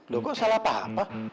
loh kok salah pa